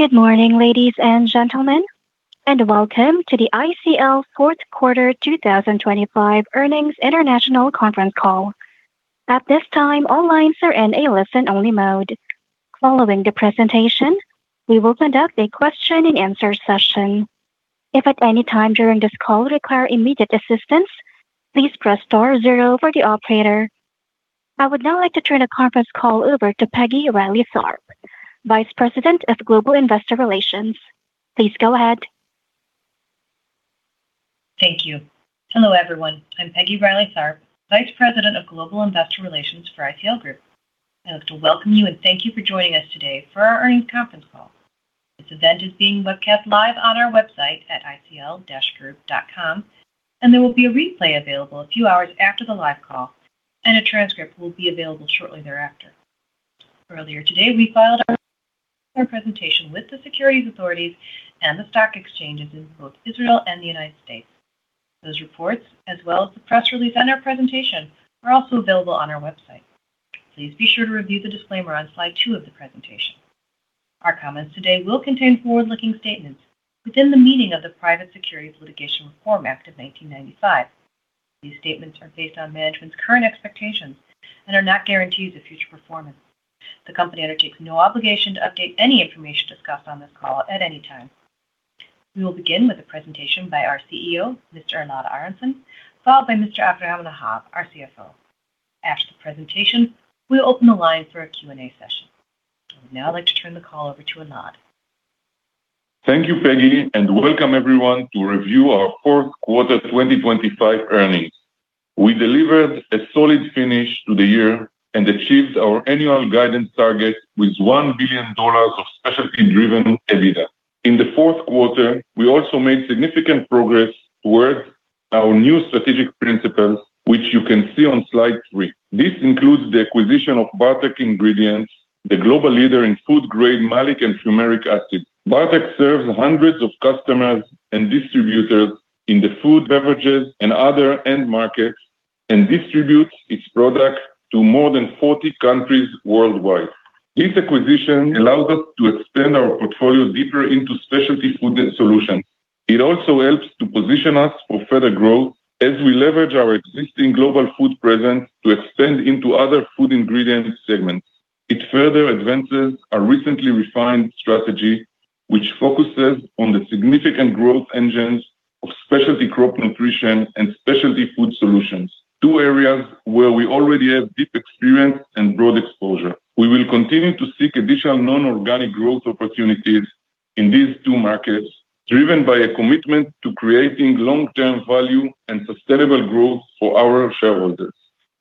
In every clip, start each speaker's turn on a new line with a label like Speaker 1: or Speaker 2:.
Speaker 1: Good morning, ladies and gentlemen, and welcome to the ICL fourth quarter 2025 earnings international conference call. At this time, all lines are in a listen-only mode. Following the presentation, we will conduct a question and answer session. If at any time during this call require immediate assistance, please press star zero for the operator. I would now like to turn the conference call over to Peggy Reilly Tharp, Vice President of Global Investor Relations. Please go ahead.
Speaker 2: Thank you. Hello, everyone. I'm Peggy Reilly Tharp, Vice President, Global Investor Relations for ICL Group. I'd like to welcome you and thank you for joining us today for our earnings conference call. This event is being webcast live on our website at icl-group.com, and there will be a replay available a few hours after the live call, and a transcript will be available shortly thereafter. Earlier today, we filed our presentation with the securities authorities and the stock exchanges in both Israel and the United States. Those reports, as well as the press release on our presentation, are also available on our website. Please be sure to review the disclaimer on Slide 2 of the presentation. Our comments today will contain forward-looking statements within the meaning of the Private Securities Litigation Reform Act of 1995. These statements are based on management's current expectations and are not guarantees of future performance. The company undertakes no obligation to update any information discussed on this call at any time. We will begin with a presentation by our CEO, Mr. Elad Aharonson, followed by Mr. Aviram Lahav, our CFO. After the presentation, we'll open the line for a Q&A session. I would now like to turn the call over to Elad.
Speaker 3: Thank you, Peggy, and welcome everyone to review our fourth quarter 2025 earnings. We delivered a solid finish to the year and achieved our annual guidance target with $1 billion of specialty-driven EBITDA. In the fourth quarter, we also made significant progress towards our new strategic principles, which you can see on Slide 3. This includes the acquisition of Bartek Ingredients, the global leader in food-grade malic and fumaric acids. Bartek serves hundreds of customers and distributors in the food, beverages, and other end markets and distributes its products to more than 40 countries worldwide. This acquisition allows us to expand our portfolio deeper into specialty food solutions. It also helps to position us for further growth as we leverage our existing global food presence to expand into other food ingredient segments. It further advances our recently refined strategy, which focuses on the significant growth engines of Specialty Crop Nutrition and Specialty Food Solutions, two areas where we already have deep experience and broad exposure. We will continue to seek additional non-organic growth opportunities in these two markets, driven by a commitment to creating long-term value and sustainable growth for our shareholders.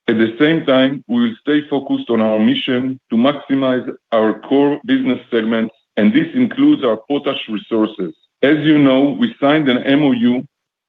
Speaker 3: At the same time, we will stay focused on our mission to maximize our core business segments, and this includes our potash resources. As you know, we signed an MOU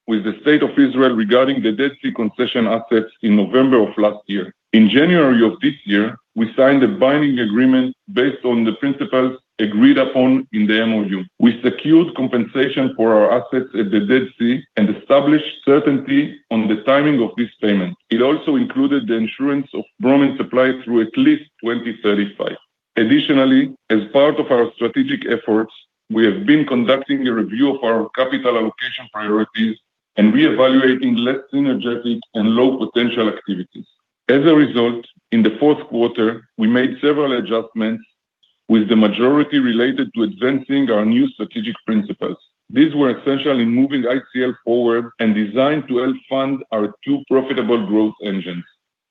Speaker 3: with the State of Israel regarding the Dead Sea concession assets in November of last year. In January of this year, we signed a binding agreement based on the principles agreed upon in the MOU. We secured compensation for our assets at the Dead Sea and established certainty on the timing of this payment. It also included the insurance of bromine supply through at least 2035. Additionally, as part of our strategic efforts, we have been conducting a review of our capital allocation priorities and reevaluating less synergetic and low-potential activities. As a result, in the fourth quarter, we made several adjustments, with the majority related to advancing our new strategic principles. These were essential in moving ICL forward and designed to help fund our two profitable growth engines.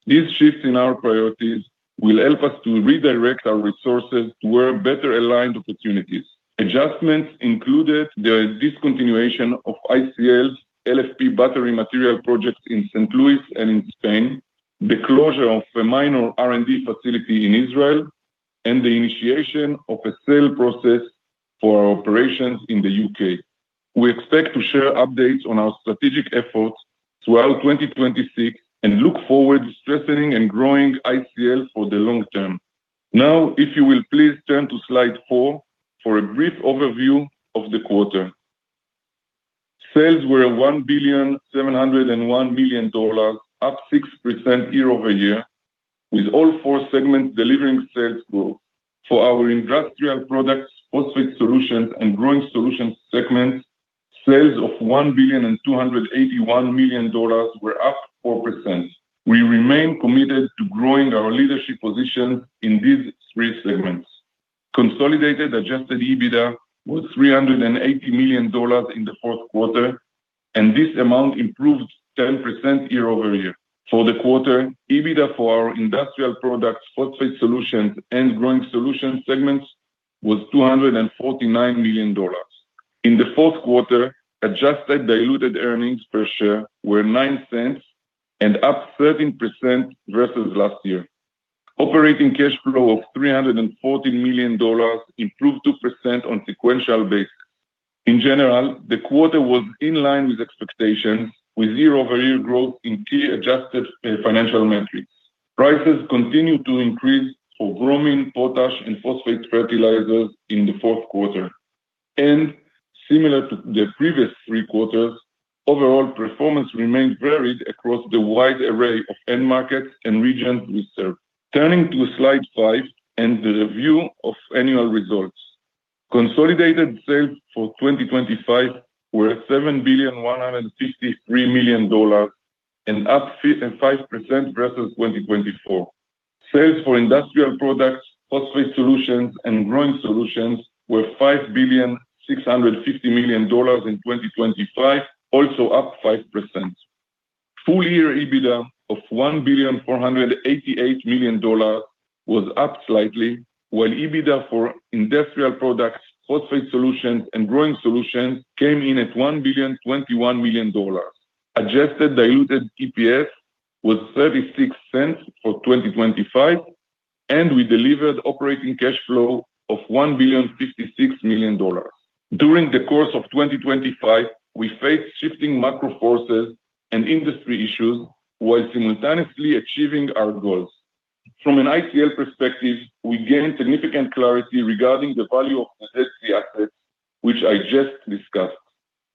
Speaker 3: These shifts in our priorities will help us to redirect our resources toward better aligned opportunities. Adjustments included the discontinuation of ICL's LFP battery material projects in St. Louis and in Spain, the closure of a minor R&D facility in Israel, and the initiation of a sale process for our operations in the U.K. We expect to share updates on our strategic efforts throughout 2026 and look forward to strengthening and growing ICL for the long term. Now, if you will please turn to Slide 4 for a brief overview of the quarter. Sales were $1.701 billion, up 6% year-over-year, with all four segments delivering sales growth. For our Industrial Products, Phosphate Solutions, and Growing Solutions segments, sales of $1.281 billion were up 4%. We remain committed to growing our leadership position in these three segments. Consolidated Adjusted EBITDA was $380 million in the fourth quarter, and this amount improved 10% year-over-year. For the quarter, EBITDA for our Industrial Products, Phosphate Solutions, and Growing Solutions segments was $249 million. In the fourth quarter, adjusted diluted earnings per share were $0.09 and up 13% versus last year. Operating cash flow of $340 million improved 2% on a sequential basis. In general, the quarter was in line with expectations, with year-over-year growth in key adjusted financial metrics. Prices continued to increase for bromine, potash, and phosphate fertilizers in the fourth quarter. Similar to the previous three quarters, overall performance remained varied across the wide array of end markets and regions we serve. Turning to Slide 5 and the review of annual results. Consolidated sales for 2025 were $7.153 billion, and up 5% versus 2024. Sales for Industrial Products, Phosphate Solutions, and Growing Solutions were $5,650 million in 2025, also up 5%. Full year EBITDA of $1.488 billion was up slightly, while EBITDA for Industrial Products, Phosphate Solutions, and Growing Solutions came in at $1.021 billion. Adjusted diluted EPS was $0.36 for 2025, and we delivered operating cash flow of $1.056 billion. During the course of 2025, we faced shifting macro forces and industry issues while simultaneously achieving our goals. From an ICL perspective, we gained significant clarity regarding the value of the Dead Sea assets, which I just discussed.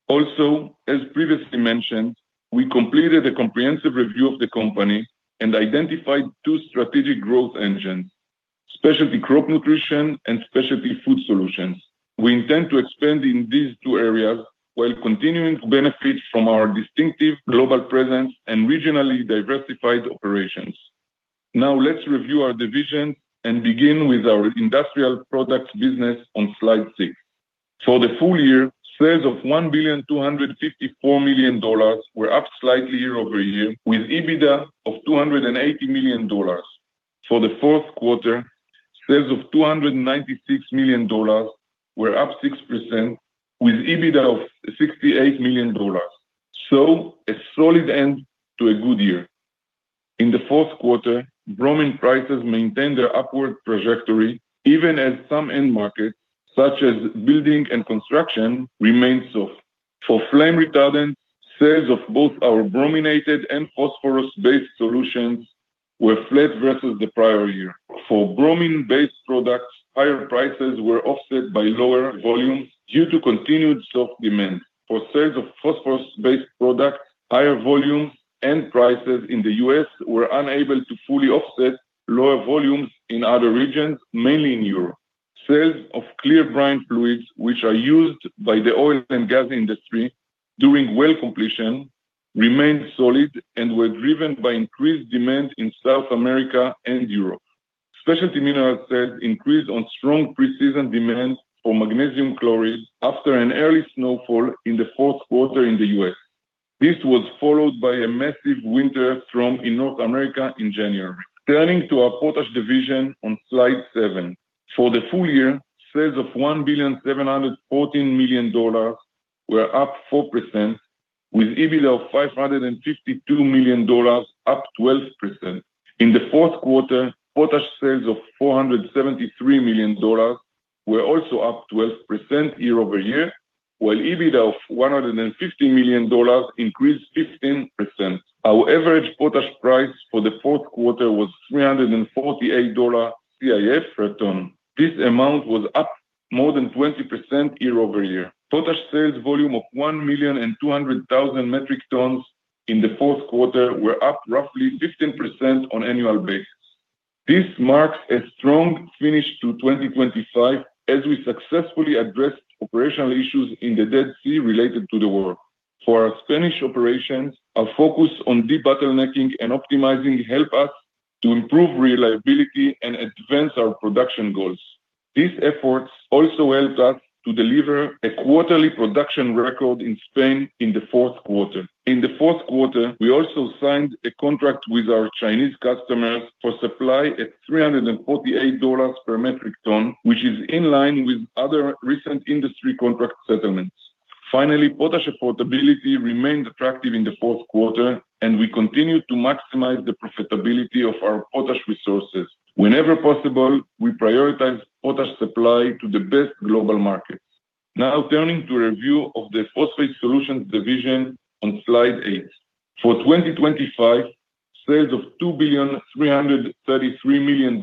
Speaker 3: Also, as previously mentioned, we completed a comprehensive review of the company and identified two strategic growth engines: Specialty Crop Nutrition and Specialty Food Solutions. We intend to expand in these two areas while continuing to benefit from our distinctive global presence and regionally diversified operations. Now, let's review our division and begin with our Industrial Products business on Slide 6. For the full year, sales of $1.254 billion were up slightly year-over-year, with EBITDA of $280 million. For the fourth quarter, sales of $296 million were up 6% with EBITDA of $68 million. A solid end to a good year. In the fourth quarter, bromine prices maintained their upward trajectory, even as some end markets, such as building and construction, remained soft. For flame retardant, sales of both our brominated and phosphorus-based solutions were flat versus the prior year. For bromine-based products, higher prices were offset by lower volume due to continued soft demand. For sales of phosphorus-based products, higher volumes and prices in the U.S. were unable to fully offset lower volumes in other regions, mainly in Europe. Sales of clear brine fluids, which are used by the oil and gas industry during well completion, remained solid and were driven by increased demand in South America and Europe. Specialty Minerals sales increased on strong pre-season demand for magnesium chloride after an early snowfall in the fourth quarter in the U.S. This was followed by a massive winter storm in North America in January. Turning to our Potash division on Slide 7. For the full year, sales of $1.714 billion were up 4% with EBITDA of $552 million, up 12%. In the fourth quarter, potash sales of $473 million were also up 12% year-over-year, while EBITDA of $150 million increased 15%. Our average potash price for the fourth quarter was $348 CIF per ton. This amount was up more than 20% year-over-year. Potash sales volume of 1,200,000 metric tons in the fourth quarter were up roughly 15% on annual basis. This marks a strong finish to 2025 as we successfully addressed operational issues in the Dead Sea related to the war. For our Spanish operations, our focus on debottlenecking and optimizing help us to improve reliability and advance our production goals. These efforts also helped us to deliver a quarterly production record in Spain in the fourth quarter. In the fourth quarter, we also signed a contract with our Chinese customers for supply at $348 per metric ton, which is in line with other recent industry contract settlements. Finally, potash affordability remained attractive in the fourth quarter, and we continued to maximize the profitability of our potash resources. Whenever possible, we prioritize potash supply to the best global markets. Now, turning to a review of the Phosphate Solutions division on Slide 8. For 2025, sales of $2.333 billion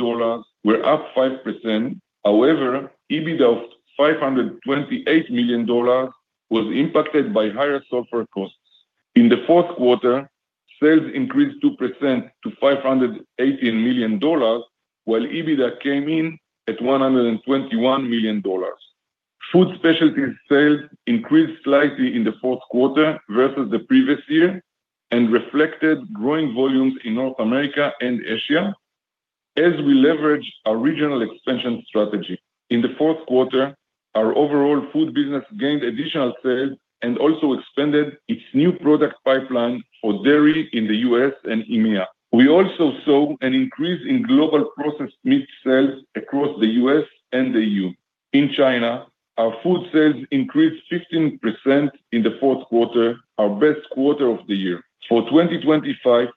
Speaker 3: were up 5%. However, EBITDA of $528 million was impacted by higher sulfur costs. In the fourth quarter, sales increased 2% to $518 million, while EBITDA came in at $121 million. Food Specialties sales increased slightly in the fourth quarter versus the previous year and reflected growing volumes in North America and Asia, as we leveraged our regional expansion strategy. In the fourth quarter, our overall food business gained additional sales and also expanded its new product pipeline for dairy in the U.S. and EMEA. We also saw an increase in global processed meat sales across the U.S. and the EU In China, our food sales increased 15% in the fourth quarter, our best quarter of the year. For 2025,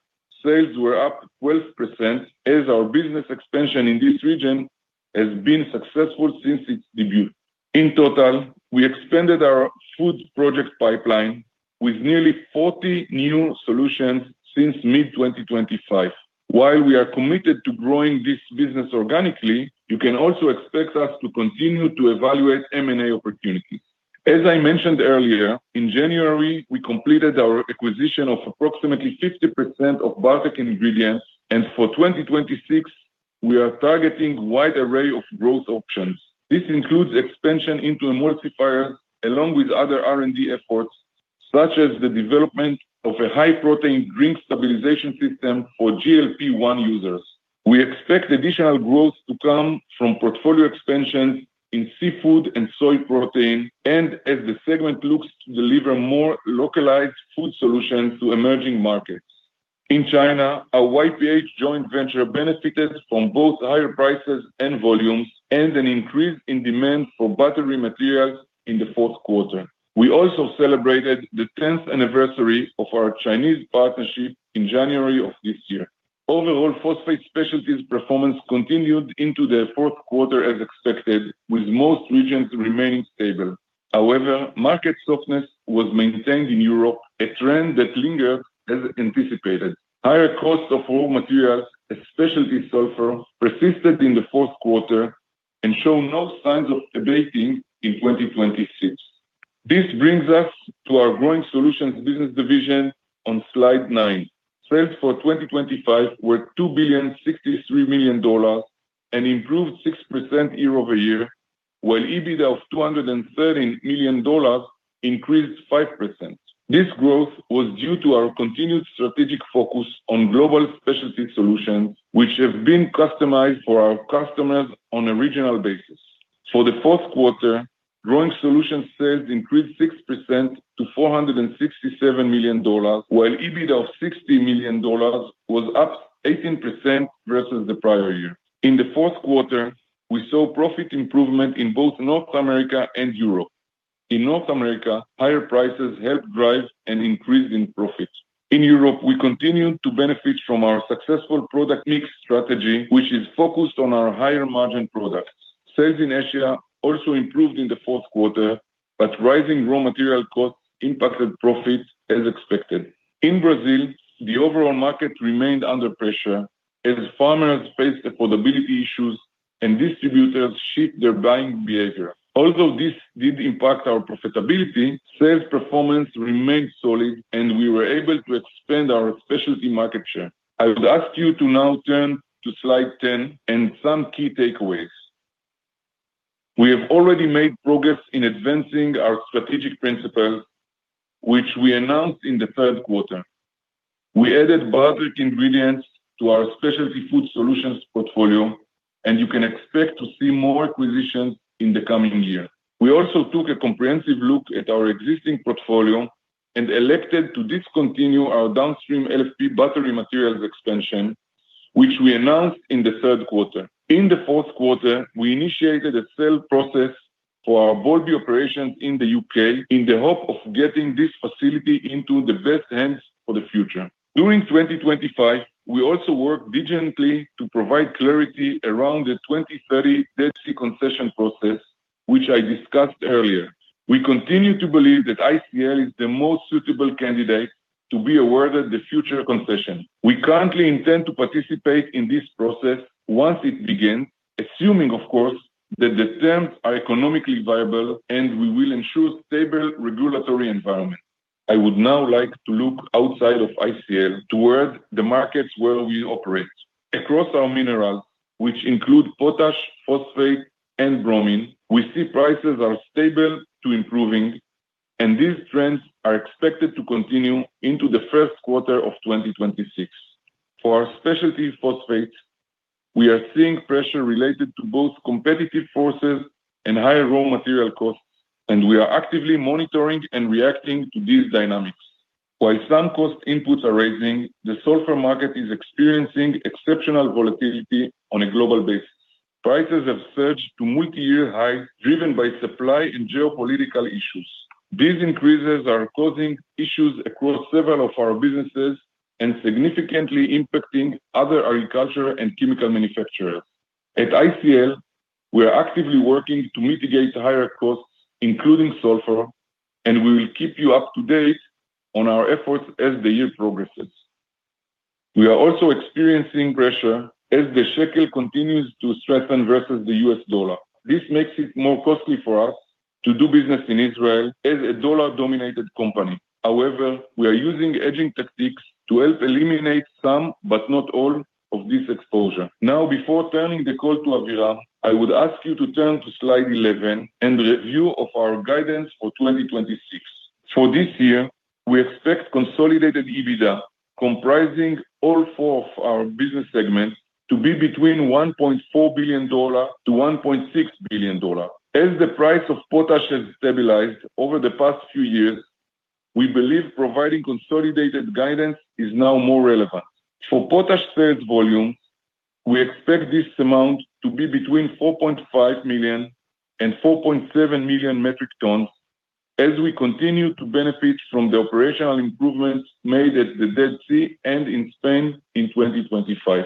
Speaker 3: sales were up 12%, as our business expansion in this region has been successful since its debut. In total, we expanded our food project pipeline with nearly 40 new solutions since mid-2025. While we are committed to growing this business organically, you can also expect us to continue to evaluate M&A opportunities. As I mentioned earlier, in January, we completed our acquisition of approximately 50% of Bartek Ingredients, and for 2026, we are targeting wide array of growth options. This includes expansion into emulsifiers, along with other R&D efforts, such as the development of a high-protein drink stabilization system for GLP-1 users. We expect additional growth to come from portfolio expansion in seafood and soy protein, and as the segment looks to deliver more localized food solutions to emerging markets. In China, our YPH joint venture benefited from both higher prices and volumes, and an increase in demand for battery materials in the fourth quarter. We also celebrated the 10th anniversary of our Chinese partnership in January of this year. Overall, Phosphate Solutions performance continued into the fourth quarter as expected, with most regions remaining stable. However, market softness was maintained in Europe, a trend that lingered as anticipated. Higher cost of raw materials, especially sulfur, persisted in the fourth quarter and show no signs of abating in 2026. This brings us to our Growing Solutions business division on Slide 9. Sales for 2025 were $2,063 million and improved 6% year-over-year, while EBITDA of $213 million increased 5%. This growth was due to our continued strategic focus on Global Specialty Solutions, which have been customized for our customers on a regional basis. For the fourth quarter, Growing Solutions sales increased 6% to $467 million, while EBITDA of $60 million was up 18% versus the prior year. In the fourth quarter, we saw profit improvement in both North America and Europe. In North America, higher prices helped drive an increase in profits. In Europe, we continued to benefit from our successful product mix strategy, which is focused on our higher-margin products. Sales in Asia also improved in the fourth quarter, but rising raw material costs impacted profits as expected. In Brazil, the overall market remained under pressure as farmers faced affordability issues and distributors shift their buying behavior. Although this did impact our profitability, sales performance remained solid, and we were able to expand our Specialty market share. I would ask you to now turn to Slide 10 and some key takeaways. We have already made progress in advancing our strategic principles, which we announced in the third quarter. We added Bartek Ingredients to our Specialty Food Solutions portfolio, and you can expect to see more acquisitions in the coming year. We also took a comprehensive look at our existing portfolio and elected to discontinue our downstream LFP battery materials expansion, which we announced in the third quarter. In the fourth quarter, we initiated a sale process for our Boulby operations in the U.K. in the hope of getting this facility into the best hands for the future. During 2025, we also worked diligently to provide clarity around the 2030 Dead Sea concession process, which I discussed earlier. We continue to believe that ICL is the most suitable candidate to be awarded the future concession. We currently intend to participate in this process once it begins, assuming, of course, that the terms are economically viable and we will ensure stable regulatory environment. I would now like to look outside of ICL toward the markets where we operate. Across our minerals, which include potash, phosphate, and bromine, we see prices are stable to improving, and these trends are expected to continue into the first quarter of 2026. For our specialty phosphate, we are seeing pressure related to both competitive forces and higher raw material costs, and we are actively monitoring and reacting to these dynamics. While some cost inputs are rising, the sulfur market is experiencing exceptional volatility on a global basis. Prices have surged to multi-year high, driven by supply and geopolitical issues. These increases are causing issues across several of our businesses and significantly impacting other agriculture and chemical manufacturers. At ICL, we are actively working to mitigate the higher costs, including sulfur, and we will keep you up to date on our efforts as the year progresses. We are also experiencing pressure as the shekel continues to strengthen versus the US dollar. This makes it more costly for us to do business in Israel as a dollar-denominated company. However, we are using hedging techniques to help eliminate some, but not all, of this exposure. Now, before turning the call to Aviram, I would ask you to turn to Slide 11 and review of our guidance for 2026. For this year, we expect consolidated EBITDA, comprising all four of our business segments, to be between $1.4 billion-$1.6 billion. As the price of potash has stabilized over the past few years, we believe providing consolidated guidance is now more relevant. For potash sales volume, we expect this amount to be between 4.5 million and 4.7 million metric tons as we continue to benefit from the operational improvements made at the Dead Sea and in Spain in 2025....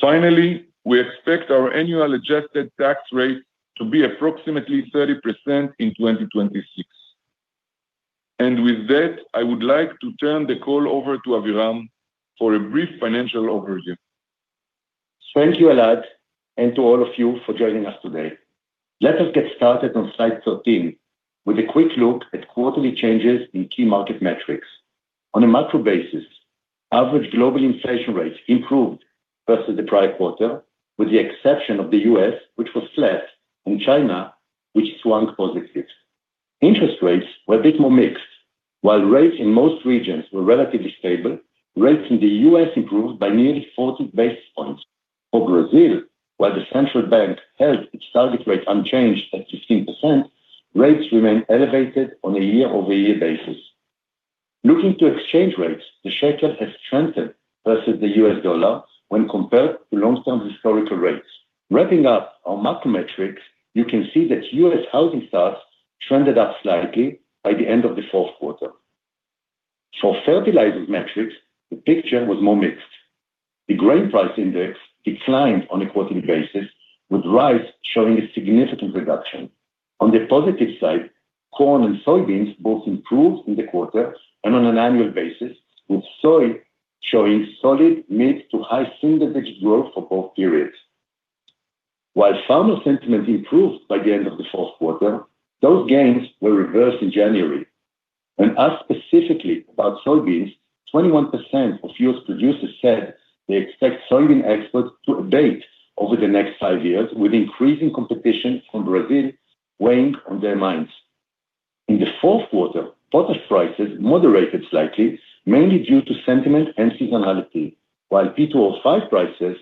Speaker 3: Finally, we expect our annual adjusted tax rate to be approximately 30% in 2026. With that, I would like to turn the call over to Aviram for a brief financial overview.
Speaker 4: Thank you, Elad, and to all of you for joining us today. Let us get started on Slide 13, with a quick look at quarterly changes in key market metrics. On a macro basis, average global inflation rates improved versus the prior quarter, with the exception of the U.S., which was flat, and China, which swung positive. Interest rates were a bit more mixed. While rates in most regions were relatively stable, rates in the U.S. improved by nearly 40 basis points. For Brazil, while the central bank held its target rate unchanged at 15%, rates remain elevated on a year-over-year basis. Looking to exchange rates, the shekel has strengthened versus the US dollar when compared to long-term historical rates. Wrapping up our macro metrics, you can see that U.S. housing starts trended up slightly by the end of the fourth quarter. For fertilizer metrics, the picture was more mixed. The grain price index declined on a quarterly basis, with rice showing a significant reduction. On the positive side, corn and soybeans both improved in the quarter and on an annual basis, with soy showing solid mid to high single-digit growth for both periods. While farmer sentiment improved by the end of the fourth quarter, those gains were reversed in January. When asked specifically about soybeans, 21% of U.S. producers said they expect soybean exports to abate over the next five years, with increasing competition from Brazil weighing on their minds. In the fourth quarter, potash prices moderated slightly, mainly due to sentiment and seasonality, while P2O5 prices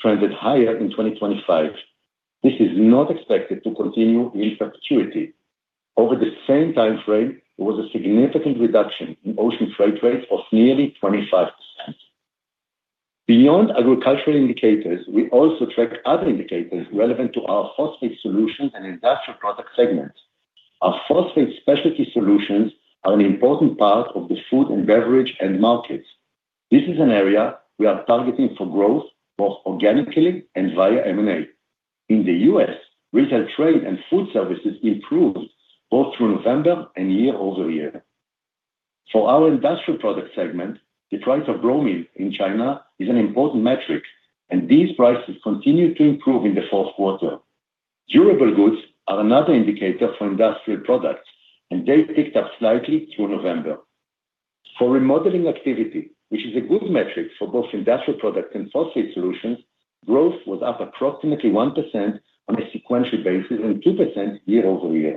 Speaker 4: trended higher in 2025. This is not expected to continue in perpetuity. Over the same time frame, there was a significant reduction in ocean freight rates of nearly 25%. Beyond agricultural indicators, we also track other indicators relevant to our Phosphate Solutions and Industrial Product Segments. Our Phosphate Specialty Solutions are an important part of the food and beverage end markets. This is an area we are targeting for growth, both organically and via M&A. In the U.S., retail trade and food services improved both through November and year-over-year. For our Industrial Product Segment, the price of bromine in China is an important metric, and these prices continued to improve in the fourth quarter. Durable goods are another indicator for Industrial Products, and they picked up slightly through November. For remodeling activity, which is a good metric for both industrial products and Phosphate Solutions, growth was up approximately 1% on a sequential basis and 2% year-over-year.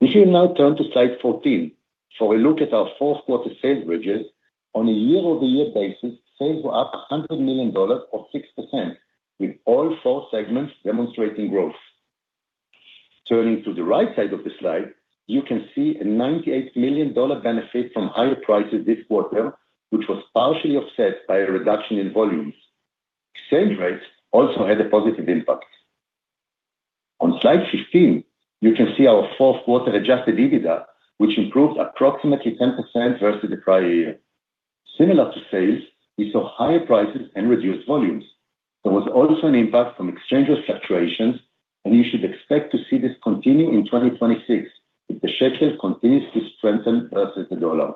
Speaker 4: We should now turn to Slide 14 for a look at our fourth quarter sales bridges. On a year-over-year basis, sales were up $100 million or 6%, with all four segments demonstrating growth. Turning to the right side of the slide, you can see a $98 million benefit from higher prices this quarter, which was partially offset by a reduction in volumes. Exchange rates also had a positive impact. On Slide 15, you can see our fourth quarter Adjusted EBITDA, which improved approximately 10% versus the prior year. Similar to sales, we saw higher prices and reduced volumes. There was also an impact from exchange rate fluctuations, and you should expect to see this continue in 2026, if the shekel continues to strengthen versus the dollar.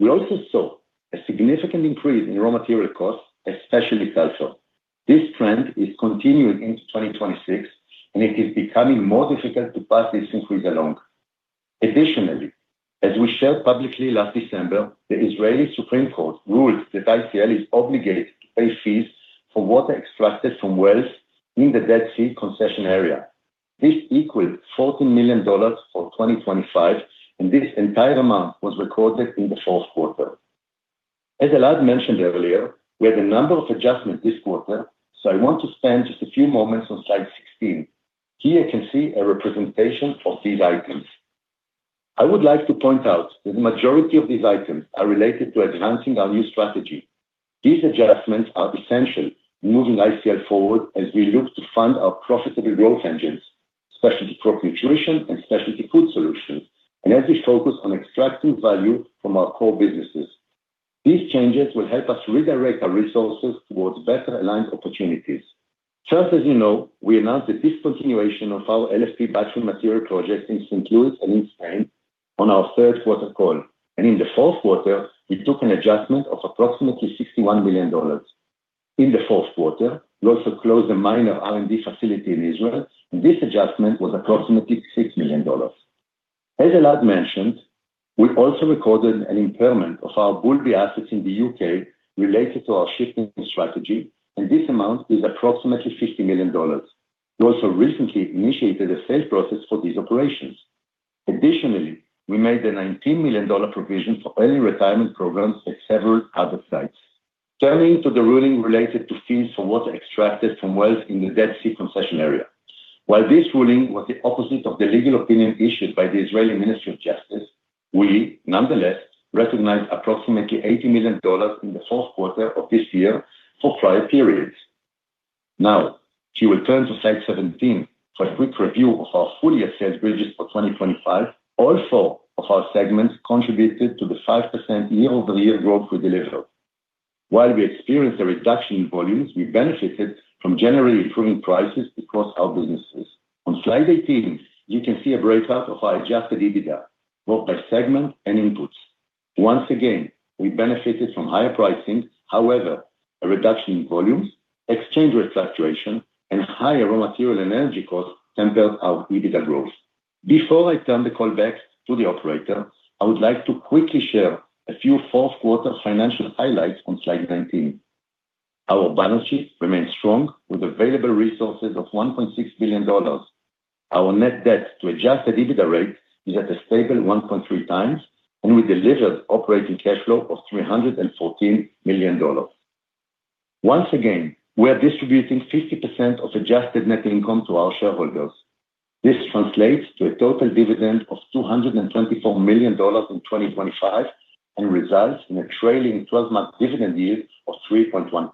Speaker 4: We also saw a significant increase in raw material costs, especially calcium. This trend is continuing into 2026, and it is becoming more difficult to pass this increase along. Additionally, as we shared publicly last December, the Israeli Supreme Court ruled that ICL is obligated to pay fees for water extracted from wells in the Dead Sea concession area. This equals $14 million for 2025, and this entire amount was recorded in the fourth quarter. As Elad mentioned earlier, we had a number of adjustments this quarter, so I want to spend just a few moments on Slide 16. Here you can see a representation of these items. I would like to point out that the majority of these items are related to advancing our new strategy. These adjustments are essential in moving ICL forward as we look to fund our profitable growth engines, Specialty Crop Nutrition and Specialty Food Solutions, and as we focus on extracting value from our core businesses. These changes will help us redirect our resources towards better aligned opportunities. First, as you know, we announced the discontinuation of our LFP battery material project in St. Louis and in Spain on our third quarter call, and in the fourth quarter, we took an adjustment of approximately $61 million. In the fourth quarter, we also closed a minor R&D facility in Israel, and this adjustment was approximately $6 million. As Elad mentioned, we also recorded an impairment of our Boulby assets in the U.K. related to our shifting strategy, and this amount is approximately $50 million. We also recently initiated a sales process for these operations. Additionally, we made a $19 million provision for early retirement programs at several other sites. Turning to the ruling related to fees for water extracted from wells in the Dead Sea concession area. While this ruling was the opposite of the legal opinion issued by the Israeli Ministry of Justice, we nonetheless recognized approximately $80 million in the fourth quarter of this year for prior periods. Now, if you will turn to Slide 17 for a quick review of our full year sales bridges for 2025, all four of our segments contributed to the 5% year-over-year growth we delivered. While we experienced a reduction in volumes, we benefited from generally improving prices across our businesses. On Slide 18, you can see a breakout of our Adjusted EBITDA, both by segment and inputs. Once again, we benefited from higher pricing. However, a reduction in volumes, exchange rate fluctuation, and higher raw material and energy costs tempered our EBITDA growth. Before I turn the call back to the operator, I would like to quickly share a few fourth quarter financial highlights on Slide 19. Our balance sheet remains strong, with available resources of $1.6 billion. Our net debt to Adjusted EBITDA ratio is at a stable 1.3x, and we delivered operating cash flow of $314 million. Once again, we are distributing 50% of adjusted net income to our shareholders. This translates to a total dividend of $224 million in 2025 and results in a trailing 12-month dividend yield of 3.1%.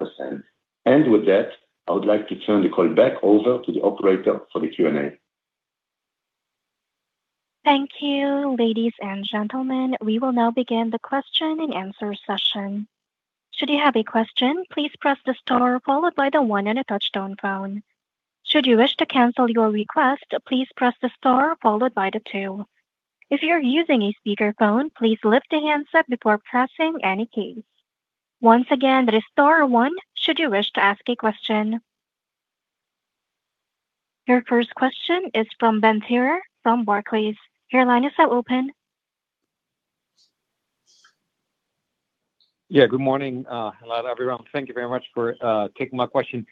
Speaker 4: With that, I would like to turn the call back over to the operator for the Q&A.
Speaker 1: Thank you, ladies and gentlemen. We will now begin the question-and-answer session. Should you have a question, please press the star followed by the one on a touchtone phone. Should you wish to cancel your request, please press the star followed by the two. If you're using a speakerphone, please lift the handset before pressing any keys. Once again, that is star one should you wish to ask a question. Your first question is from Ben Theurer from Barclays. Your line is now open.
Speaker 5: Yeah, good morning, hello, everyone. Thank you very much for taking my question.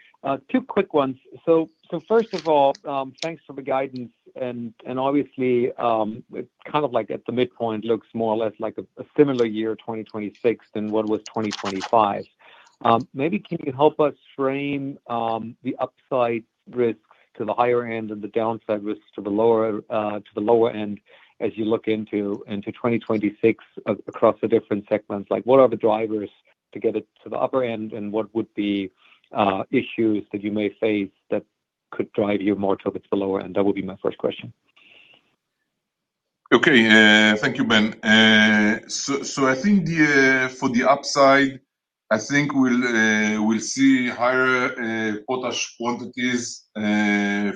Speaker 5: Two quick ones. So, first of all, thanks for the guidance, and obviously, kind of like at the midpoint, looks more or less like a similar year, 2026, than what was 2025. Maybe can you help us frame the upside risks to the higher end and the downside risks to the lower end as you look into 2026 across the different segments? Like, what are the drivers to get it to the upper end, and what would be issues that you may face that could drive you more towards the lower end? That would be my first question.
Speaker 3: Okay, thank you, Ben. So, I think for the upside, I think we'll see higher potash quantities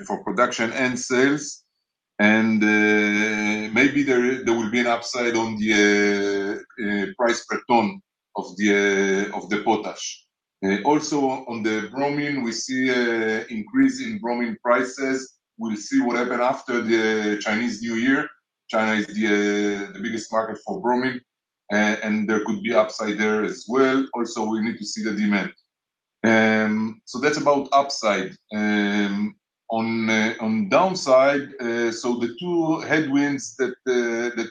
Speaker 3: for production and sales, and maybe there will be an upside on the price per ton of the potash. Also, on the bromine, we see an increase in bromine prices. We'll see what happen after the Chinese New Year. China is the biggest market for bromine, and there could be upside there as well. Also, we need to see the demand. So that's about upside. On downside, so the two headwinds that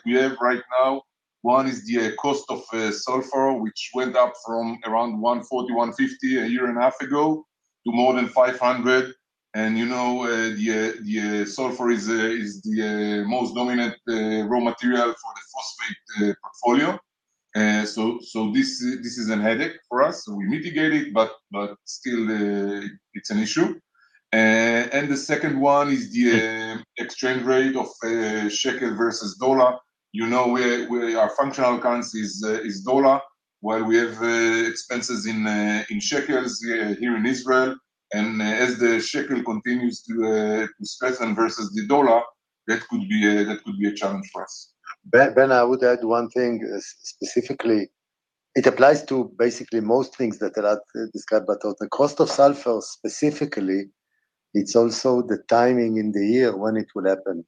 Speaker 3: we have right now, one is the cost of sulfur, which went up from around $140-$150 a year and a half ago to more than $500. You know, the sulfur is the most dominant raw material for the phosphate portfolio. So, this is a headache for us, so we mitigate it, but still, it's an issue. And the second one is the exchange rate of shekel versus dollar. You know, our functional currency is dollar, while we have expenses in shekels here in Israel. And as the shekel continues to strengthen versus the dollar, that could be a challenge for us.
Speaker 4: Ben, Ben, I would add one thing, specifically, it applies to basically most things that Elad described, but the cost of sulfur specifically, it's also the timing in the year when it will happen.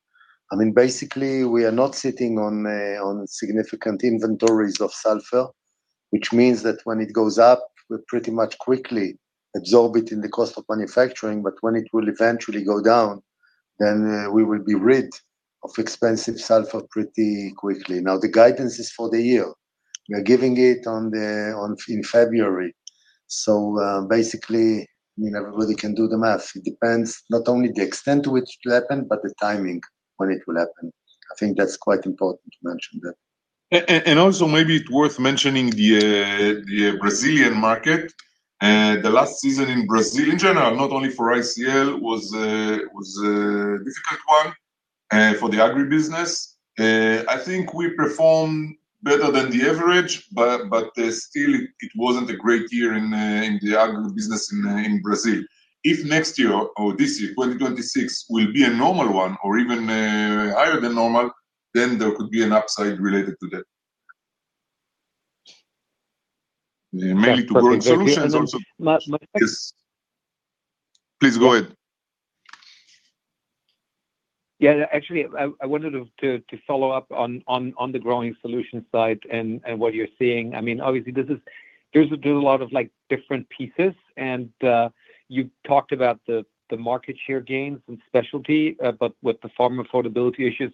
Speaker 4: I mean, basically, we are not sitting on, on significant inventories of sulfur, which means that when it goes up, we pretty much quickly absorb it in the cost of manufacturing, but when it will eventually go down, then, we will be rid of expensive sulfur pretty quickly. Now, the guidance is for the year. We are giving it in February. So, basically, I mean, everybody can do the math. It depends not only the extent to which it will happen, but the timing when it will happen. I think that's quite important to mention that.
Speaker 3: And also, maybe it's worth mentioning the Brazilian market. The last season in Brazil, in general, not only for ICL, was a difficult one for the agribusiness. I think we performed better than the average, but still, it wasn't a great year in the agribusiness in Brazil. If next year or this year, 2026, will be a normal one or even higher than normal, then there could be an upside related to that. Mainly to Growing Solutions also-
Speaker 5: My first-
Speaker 3: Please go ahead.
Speaker 5: Yeah, actually, I wanted to follow up on the Growing Solutions side and what you're seeing. I mean, obviously, this is... There's a lot of, like, different pieces, and you talked about the market share gains in specialty, but with the farm affordability issues,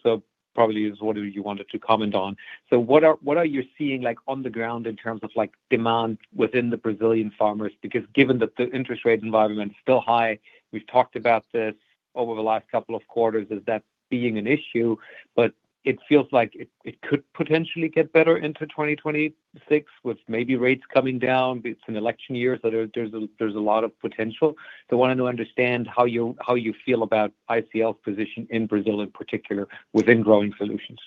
Speaker 5: probably is what you wanted to comment on. So what are you seeing, like, on the ground in terms of, like, demand within the Brazilian farmers? Because given that the interest rate environment is still high, we've talked about this over the last couple of quarters, is that being an issue, but it feels like it could potentially get better into 2026, with maybe rates coming down. It's an election year, so there's a lot of potential. I wanted to understand how you feel about ICL's position in Brazil, in particular, within Growing Solutions.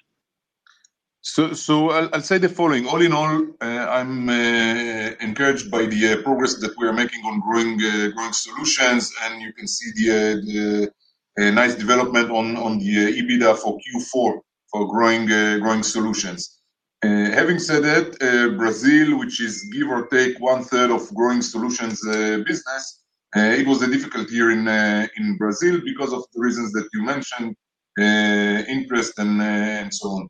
Speaker 3: So, I'll say the following. All in all, I'm encouraged by the progress that we are making on Growing Solutions, and you can see a nice development on the EBITDA for Q4 for Growing Solutions. Having said that, Brazil, which is give or take one-third of Growing Solutions' business, it was a difficult year in Brazil because of the reasons that you mentioned, interest and so on.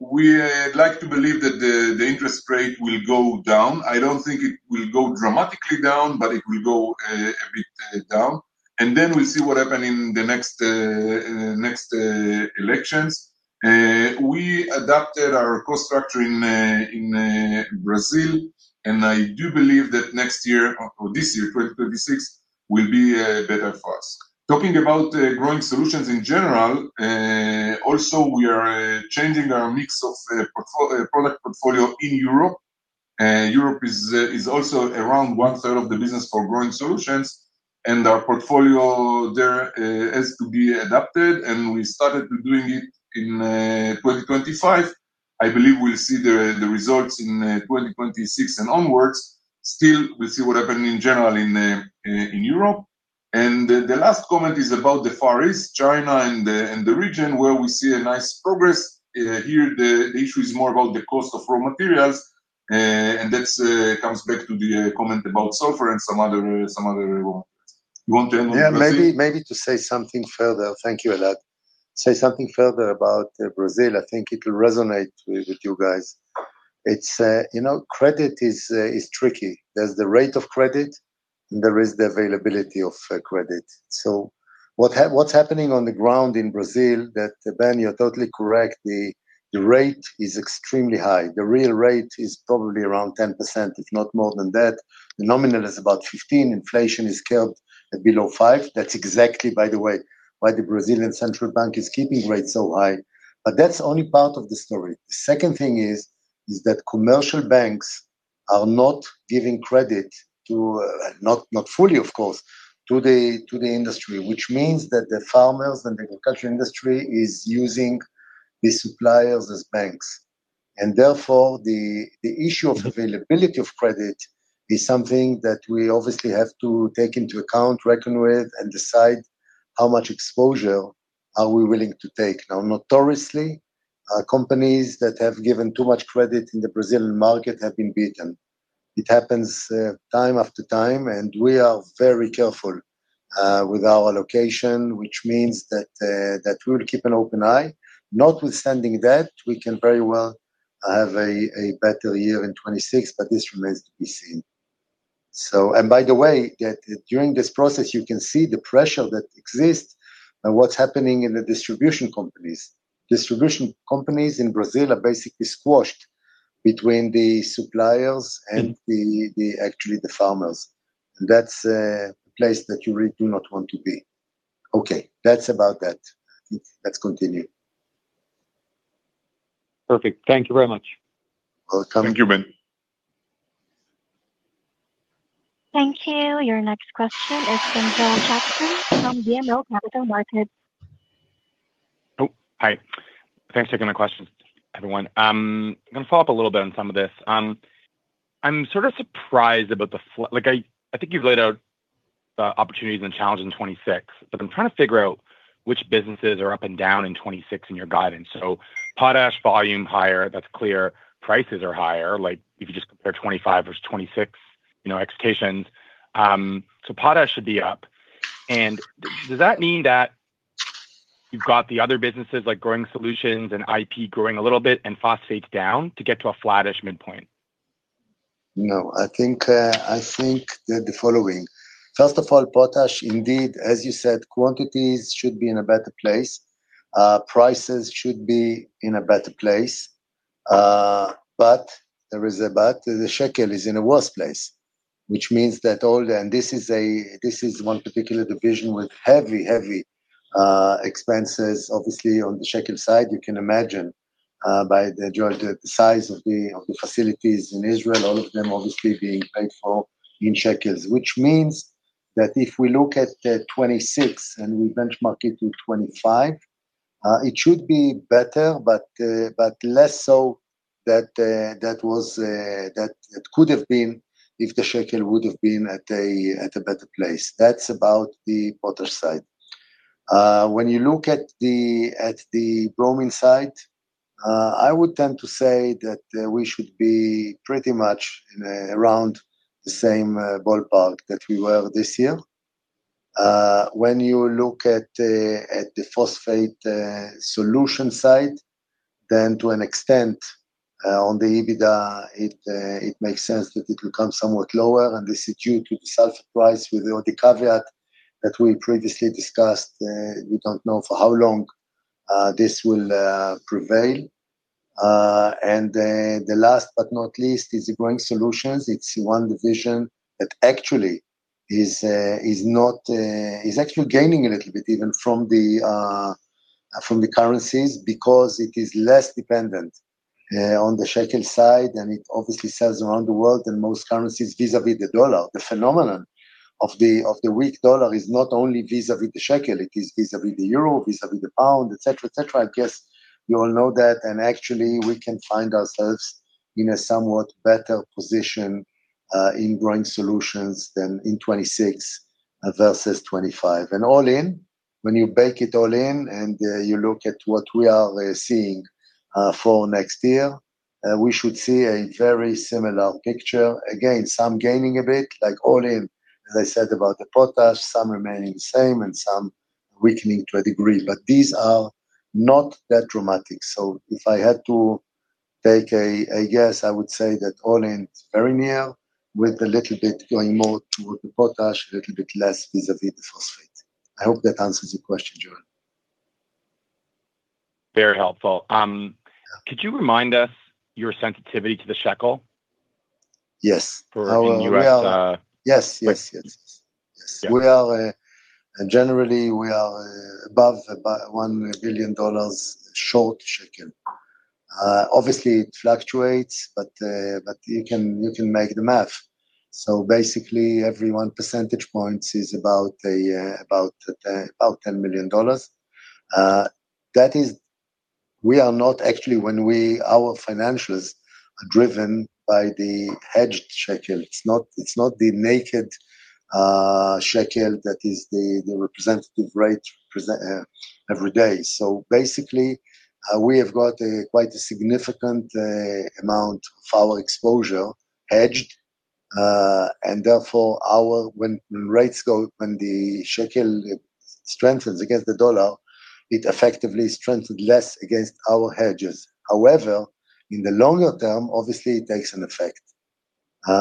Speaker 3: We like to believe that the interest rate will go down. I don't think it will go dramatically down, but it will go a bit down, and then we'll see what happen in the next elections. We adapted our cost structure in Brazil, and I do believe that next year or this year, 2026, will be better for us. Talking about Growing Solutions in general, also, we are changing our mix of product portfolio in Europe. Europe is also around one-third of the business for Growing Solutions, and our portfolio there has to be adapted, and we started doing it in 2025. I believe we'll see the results in 2026 and onwards. Still, we'll see what happen in general in Europe. And the last comment is about the Far East, China, and the region, where we see a nice progress. Here, the issue is more about the cost of raw materials, and that comes back to the comment about sulfur and some other, some other raw. You want to end on Brazil?
Speaker 4: Yeah, maybe, maybe to say something further. Thank you, Elad. Say something further about Brazil, I think it will resonate with you guys. It's, you know, credit is tricky. There's the rate of credit, and there is the availability of credit. So what's happening on the ground in Brazil, Ben, you're totally correct, the rate is extremely high. The real rate is probably around 10%, if not more than that. The nominal is about 15. Inflation is kept at below 5%. That's exactly, by the way, why the Brazilian Central Bank is keeping rates so high, but that's only part of the story. The second thing is that commercial banks are not giving credit, not fully, of course, to the industry, which means that the farmers and the agriculture industry is using the suppliers as banks. And therefore, the issue of availability of credit is something that we obviously have to take into account, reckon with, and decide how much exposure are we willing to take. Now, notoriously, companies that have given too much credit in the Brazilian market have been beaten. It happens time after time, and we are very careful with our allocation, which means that we will keep an open eye. Notwithstanding that, we can very well have a better year in 2026, but this remains to be seen. So, and by the way, that during this process, you can see the pressure that exists and what's happening in the distribution companies. Distribution companies in Brazil are basically squashed between the suppliers and actually the farmers, and that's a place that you really do not want to be. Okay, that's about that. Let's continue.
Speaker 5: Perfect. Thank you very much.
Speaker 4: You're welcome.
Speaker 3: Thank you, Ben.
Speaker 1: Thank you. Your next question is from Joel Jackson from BMO Capital Markets.
Speaker 6: Oh, hi. Thanks for taking my questions, everyone. I'm gonna follow up a little bit on some of this. I'm sort of surprised about the like, I think you've laid out the opportunities and challenges in 2026, but I'm trying to figure out which businesses are up and down in 2026 in your guidance. So potash volume higher, that's clear. Prices are higher, like if you just compare 2025 versus 2026, you know, expectations. So potash should be up, and does that mean that you've got the other businesses, like Growing Solutions and IP, growing a little bit and phosphate down to get to a flattish midpoint?
Speaker 4: No, I think the following. First of all, potash, indeed, as you said, quantities should be in a better place. Prices should be in a better place. But there is a but, the shekel is in a worse place, which means that all the... And this is one particular division with heavy, heavy expenses, obviously, on the shekel side. You can imagine, by the size of the facilities in Israel, all of them obviously being paid for in shekels. Which means that if we look at 2026 and we benchmark it to 2025, it should be better, but, but less so that that it could have been if the shekel would have been at a better place. That's about the potash side. When you look at the bromine side, I would tend to say that we should be pretty much in around the same ballpark that we were this year. When you look at the phosphate solution side, then to an extent, on the EBITDA, it makes sense that it will come somewhat lower, and this is due to the sales price, with the only caveat that we previously discussed, we don't know for how long this will prevail. And then the last but not least is the Growing Solutions. It's one division that actually is not, is actually gaining a little bit even from the, from the currencies, because it is less dependent, on the shekel side, and it obviously sells around the world, and most currencies vis-a-vis the dollar. The phenomenon of the, of the weak dollar is not only vis-a-vis the shekel, it is vis-a-vis the euro, vis-a-vis the pound, et cetera, et cetera. I guess you all know that, and actually, we can find ourselves in a somewhat better position, in Growing Solutions than in 2026 versus 2025. And all in, when you bake it all in and, you look at what we are, seeing, for next year, we should see a very similar picture. Again, some gaining a bit, like all in, as I said, about the potash, some remaining the same and some weakening to a degree. But these are not that dramatic. So if I had to take a guess, I would say that all in, it's very near, with a little bit going more toward the potash, a little bit less vis-a-vis the phosphate. I hope that answers your question, Jordan.
Speaker 6: Very helpful. Could you remind us your sensitivity to the shekel?
Speaker 4: Yes. Our-
Speaker 6: For in U.S.,
Speaker 4: Yes, yes, yes. Yes.
Speaker 6: Yeah.
Speaker 4: We are generally, we are above about $1 billion short shekel. Obviously, it fluctuates, but you can make the math. Basically, every 1 percentage point is about $10 million. We are not actually when we-- our financials are driven by the hedged shekel. It's not, it's not the naked shekel that is the representative rate presen- every day. Basically, we have got quite a significant amount of our exposure hedged, and therefore, when rates go, when the shekel strengthens against the dollar, it effectively strengthened less against our hedges. However, in the longer term, obviously, it takes an effect.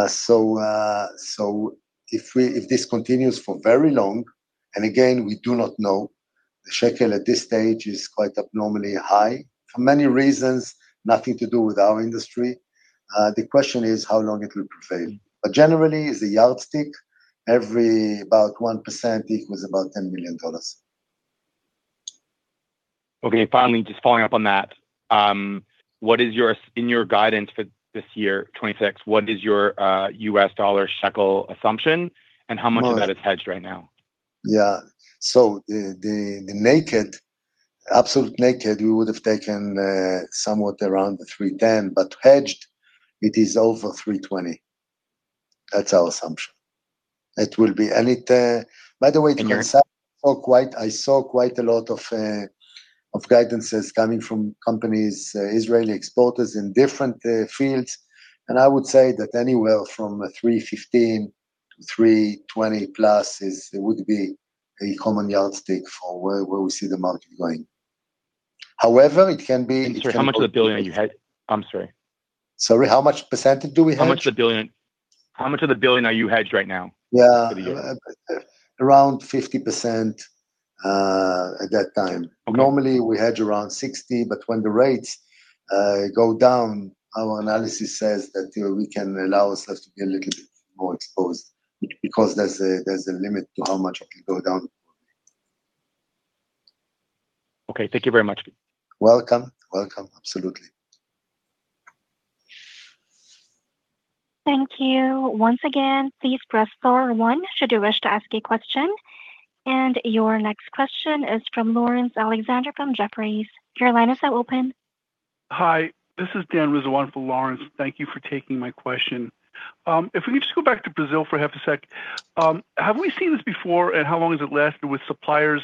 Speaker 4: So, if we, if this continues for very long, and again, we do not know, the shekel at this stage is quite abnormally high for many reasons, nothing to do with our industry. The question is how long it will prevail. But generally, as a yardstick, every about 1% equals about $10 million.
Speaker 6: Okay, finally, just following up on that, what is your, in your guidance for this year, 2026, what is your US dollar shekel assumption, and how much of that is hedged right now?
Speaker 4: Yeah. So the naked, absolute naked, we would have taken somewhat around 3.10, but hedged, it is over 3.20. That's our assumption. By the way, I saw quite a lot of guidances coming from companies, Israeli exporters in different fields, and I would say that anywhere from 3.15 to 3.20+ is, it would be a common yardstick for where we see the market going. However, it can be-
Speaker 6: Sir, how much of the billion are you hedged? I'm sorry.
Speaker 4: Sorry, how much percentage do we hedge?
Speaker 6: How much of the a billion, how much of the billion are you hedged right now?
Speaker 4: Yeah.
Speaker 6: For the year.
Speaker 4: Around 50% at that time.
Speaker 6: Okay.
Speaker 4: Normally, we hedge around 60%, but when the rates go down, our analysis says that we can allow ourselves to be a little bit more exposed because there's a limit to how much it can go down.
Speaker 6: Okay, thank you very much.
Speaker 4: Welcome. Welcome. Absolutely.
Speaker 1: Thank you. Once again, please press star one should you wish to ask a question. And your next question is from Laurence Alexander from Jefferies. Your line is now open.
Speaker 7: Hi, this is Dan Rizzo for Laurence. Thank you for taking my question. If we could just go back to Brazil for half a sec. Have we seen this before, and how long has it lasted with suppliers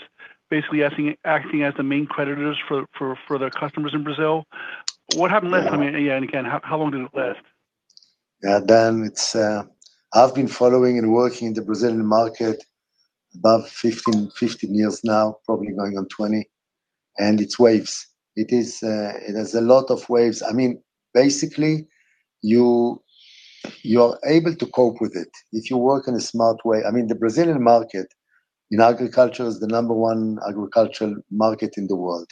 Speaker 7: basically acting as the main creditors for their customers in Brazil? What happened last time, and again, how long did it last?
Speaker 4: Yeah, Dan, it's, I've been following and working in the Brazilian market about 15 years now, probably going on 20 years, and it's waves. It is, it has a lot of waves. I mean, basically, you, you're able to cope with it if you work in a smart way. I mean, the Brazilian market in agriculture is the number one agricultural market in the world.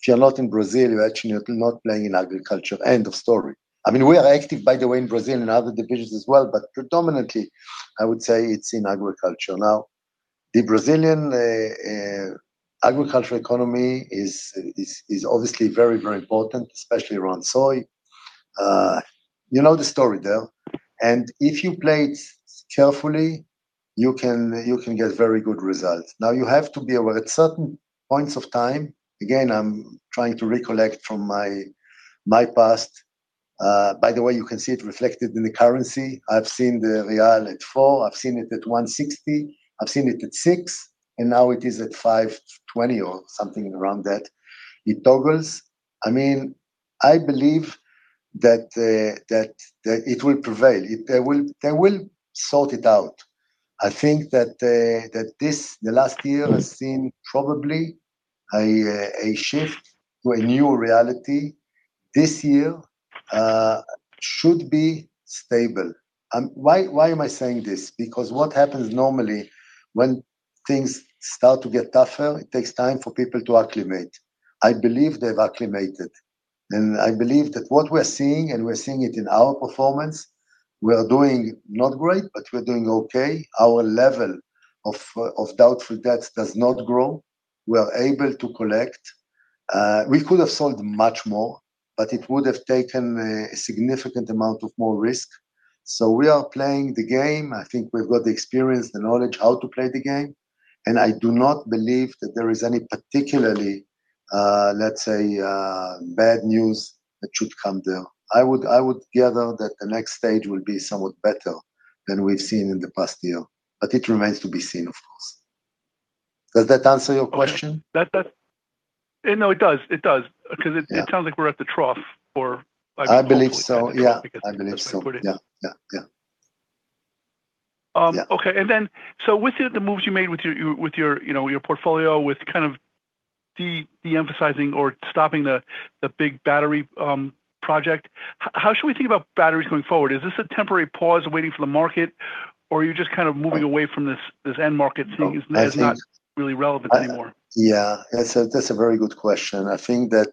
Speaker 4: If you're not in Brazil, you're actually not playing in agriculture, end of story. I mean, we are active, by the way, in Brazil and other divisions as well, but predominantly, I would say it's in agriculture. Now, the Brazilian agricultural economy is, obviously very, very important, especially around soy. You know the story, Dan. And if you play it carefully, you can, you can get very good results. Now, you have to be aware, at certain points of time, again, I'm trying to recollect from my past. By the way, you can see it reflected in the currency. I've seen the Real at four, I've seen it at 1.60, I've seen it at six, and now it is at 5.20 or something around that. It toggles. I mean, I believe that it will prevail. They will sort it out. I think that this, the last year has seen probably a shift to a new reality. This year should be stable. And why, why am I saying this? Because what happens normally when things start to get tougher, it takes time for people to acclimate. I believe they've acclimated, and I believe that what we're seeing, and we're seeing it in our performance, we are doing not great, but we're doing okay. Our level of doubtful debts does not grow. We are able to collect. We could have sold much more, but it would have taken a significant amount of more risk. So we are playing the game. I think we've got the experience, the knowledge, how to play the game, and I do not believe that there is any particularly, let's say, bad news that should come there. I would gather that the next stage will be somewhat better than we've seen in the past year, but it remains to be seen, of course. Does that answer your question?
Speaker 7: No, it does. It does.
Speaker 4: Yeah.
Speaker 7: Because it sounds like we're at the trough or-
Speaker 4: I believe so.
Speaker 7: Yeah.
Speaker 4: Yeah, I believe so.
Speaker 7: Yeah.
Speaker 4: Yeah. Yeah, yeah.
Speaker 7: Um, okay.
Speaker 4: Yeah.
Speaker 7: And then, so with the moves you made with your, you know, your portfolio, with kind of deemphasizing or stopping the big battery project, how should we think about batteries going forward? Is this a temporary pause waiting for the market, or are you just kind of moving away from this end market, seeing as not-
Speaker 4: I think-
Speaker 7: really relevant anymore?
Speaker 4: Yeah, that's a, that's a very good question. I think that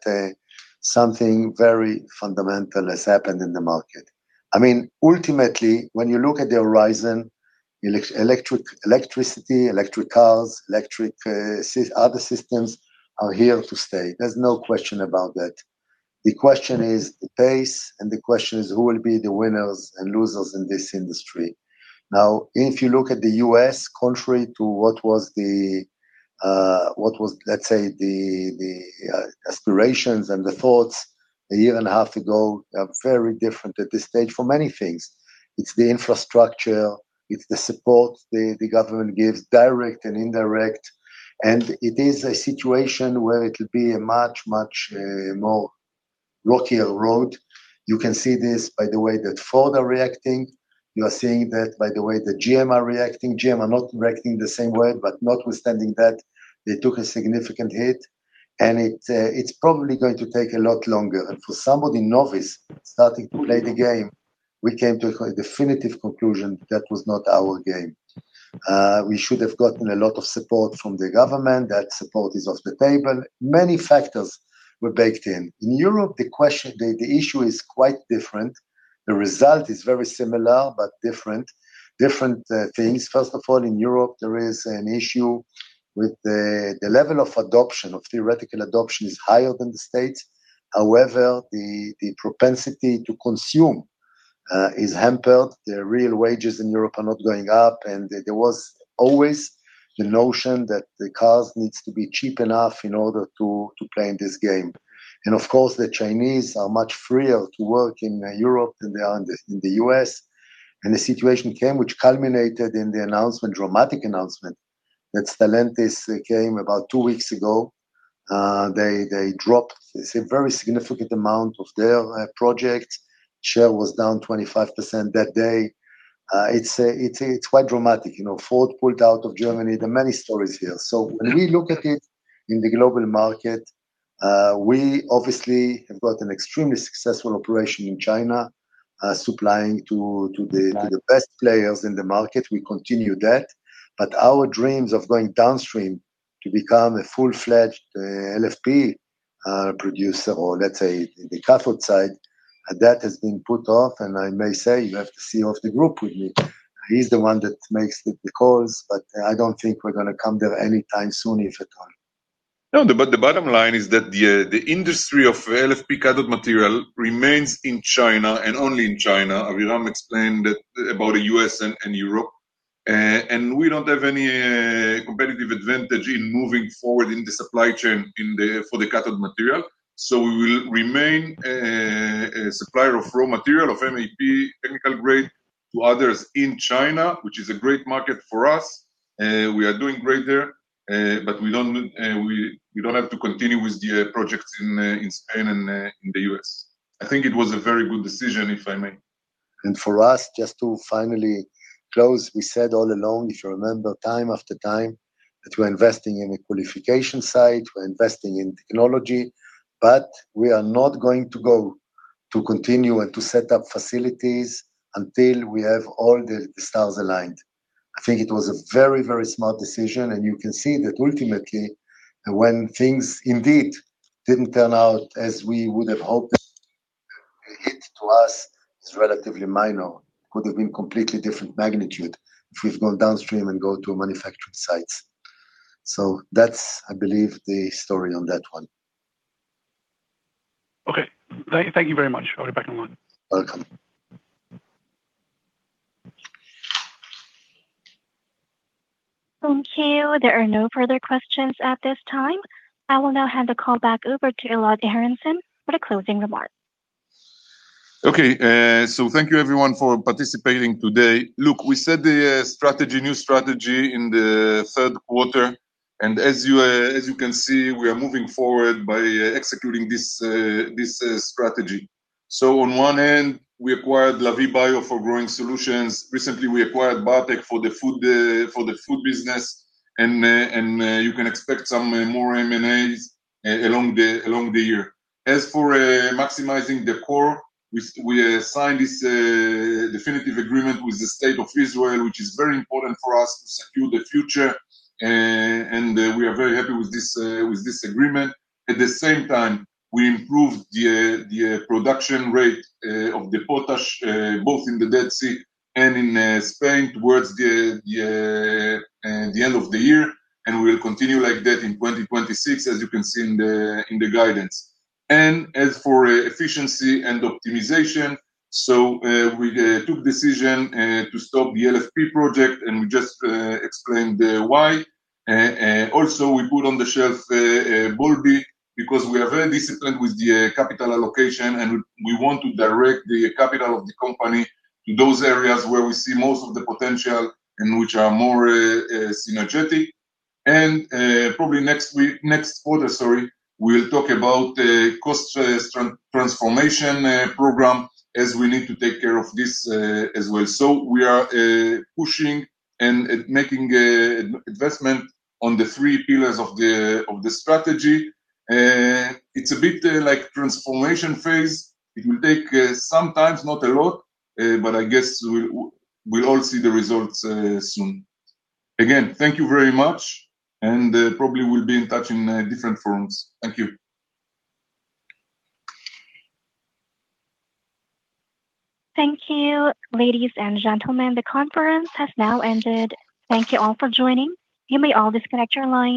Speaker 4: something very fundamental has happened in the market. I mean, ultimately, when you look at the horizon, electricity, electric cars, electric other systems are here to stay. There's no question about that. The question is the pace, and the question is, who will be the winners and losers in this industry? Now, if you look at the U.S., contrary to what was the let's say, the, the aspirations and the thoughts a year and a half ago, are very different at this stage for many things. It's the infrastructure, it's the support the, the government gives, direct and indirect, and it is a situation where it will be a much, much more rockier road. You can see this by the way that Ford are reacting. You are seeing that by the way that GM are reacting. GM are not reacting the same way, but notwithstanding that, they took a significant hit, and it, it's probably going to take a lot longer. For somebody novice, starting to play the game, we came to a definitive conclusion that was not our game. We should have gotten a lot of support from the government. That support is off the table. Many factors were baked in. In Europe, the question, the issue is quite different. The result is very similar, but different. Different things. First of all, in Europe, there is an issue with the level of adoption, of theoretical adoption is higher than the States. However, the propensity to consume is hampered. The real wages in Europe are not going up, and there was always the notion that the cars need to be cheap enough in order to play in this game. And of course, the Chinese are much freer to work in Europe than they are in the U.S. And the situation came, which culminated in the announcement, dramatic announcement, that Stellantis came about two weeks ago. They dropped a very significant amount of their project. Share was down 25% that day. It's quite dramatic. You know, Ford pulled out of Germany. There are many stories here. So when we look at it in the global market, we obviously have got an extremely successful operation in China, supplying to the-
Speaker 7: Right
Speaker 4: To the best players in the market. We continue that, but our dreams of going downstream to become a full-fledged LFP producer, or let's say, the cathode side, that has been put off, and I may say you have to CEO the group with me. He's the one that makes the calls, but I don't think we're going to come there anytime soon, if at all.
Speaker 3: No, but the bottom line is that the industry of LFP cathode material remains in China and only in China. Aviram explained that about the U.S. and Europe, and we don't have any competitive advantage in moving forward in the supply chain in the for the cathode material. So we will remain a supplier of raw material, of MAP, technical grade, to others in China, which is a great market for us, we are doing great there, but we don't have to continue with the projects in Spain and in the U.S. I think it was a very good decision, if I may.
Speaker 4: For us, just to finally close, we said all along, if you remember, time after time, that we're investing in a qualification side, we're investing in technology, but we are not going to go to continue and to set up facilities until we have all the stars aligned. I think it was a very, very smart decision, and you can see that ultimately, when things indeed didn't turn out as we would have hoped, the hit to us is relatively minor. Could have been completely different magnitude if we've gone downstream and go to manufacturing sites. That's, I believe, the story on that one.
Speaker 7: Okay. Thank you very much. I'll be back in line.
Speaker 4: Welcome.
Speaker 1: Thank you. There are no further questions at this time. I will now hand the call back over to Elad Aharonson for the closing remarks.
Speaker 3: Okay, so thank you everyone for participating today. Look, we set the strategy, new strategy in the third quarter. And as you can see, we are moving forward by executing this strategy. So on one end, we acquired Lavie Bio for Growing Solutions. Recently, we acquired Bartek for the food business, and you can expect some more M&As along the year. As for maximizing the core, we signed this definitive agreement with the State of Israel, which is very important for us to secure the future, and we are very happy with this agreement. At the same time, we improved the production rate of the potash both in the Dead Sea and in Spain towards the end of the year, and we will continue like that in 2026, as you can see in the guidance. And as for efficiency and optimization, so we took decision to stop the LFP project, and we just explained the why. And also we put on the shelf Boulby, because we are very disciplined with the capital allocation, and we want to direct the capital of the company to those areas where we see most of the potential and which are more synergetic. Probably next quarter, sorry, we'll talk about the cost transformation program, as we need to take care of this as well. So we are pushing and making investment on the three pillars of the strategy. It's a bit like transformation phase. It will take some time, not a lot, but I guess we'll all see the results soon. Again, thank you very much, and probably we'll be in touch in different forums. Thank you.
Speaker 1: Thank you, ladies and gentlemen. The conference has now ended. Thank you all for joining. You may all disconnect your lines.